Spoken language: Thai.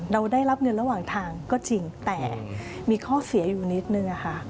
เราได้รับเงินระหว่างทางก็จริงแต่มีข้อเสียอยู่นิดนึงค่ะ